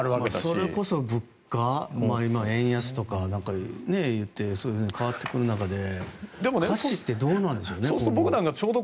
それこそ物価とか円安とか言って変わってくる中で価値ってどうなんでしょうね。